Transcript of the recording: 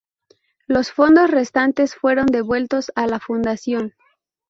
Los fondos restantes fueron devueltos a la Fundación.